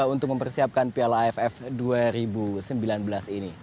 untuk mempersiapkan piala aff dua ribu sembilan belas ini